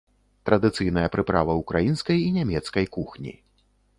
Традыцыйная прыправа ўкраінскай і нямецкай кухні.